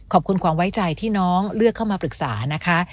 ขอบคุณความไว้ใจที่น้องเลือกเข้ามาปรึกษานะคะ